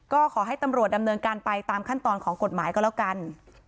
ก็ขอให้ตำรวจดำเนินการไปตามขั้นตอนของกฎหมายก็แล้วกัน